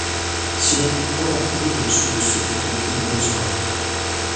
Sinon, comment prouver que je suis de ceux qui ont vécu une bonne soirée ?